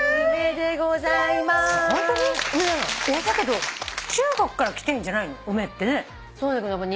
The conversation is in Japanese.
だけど中国から来てんじゃないの？